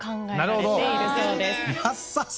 なるほど。